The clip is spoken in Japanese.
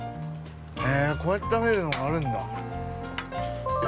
へぇ、こうやって食べるのがあるんだ。